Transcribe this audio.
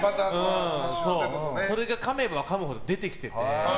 それがかめばかむほど出てきてて。